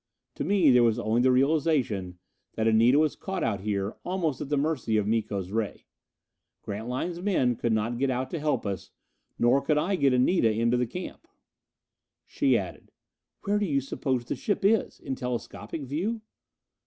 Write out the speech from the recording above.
To me there was only the realization that Anita was caught out here, almost at the mercy of Miko's ray. Grantline's men could not get out to help us, nor could I get Anita into the camp. She added, "Where do you suppose the ship is? In telescopic view?"